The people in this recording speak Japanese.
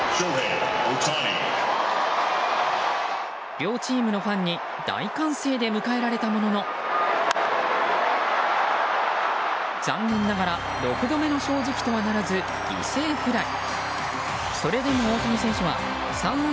両チームのファンに大歓声で迎えられたものの残念ながら６度目の正直とはならず、犠牲フライ。